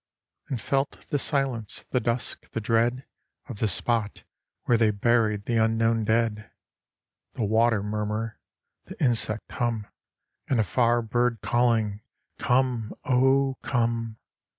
And felt the silence, the dusk, the dread Of the spot where they buried the unknown dead: The water murmur, the insect hum, And a far bird calling, "Come, oh, come!"